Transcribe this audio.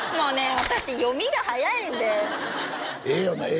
私読みが早いんでええよなええ